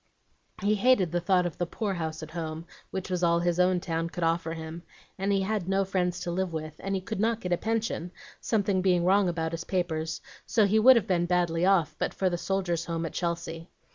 He hated the thought of the poor house at home, which was all his own town could offer him, and he had no friends to live with, and he could not get a pension, something being wrong about his papers; so he would have been badly off, but for the Soldiers' Home at Chelsea.